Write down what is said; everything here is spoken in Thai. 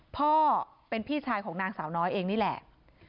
พ่อเป็นพี่ชายของนางสาวน้อยเองนี่แหละ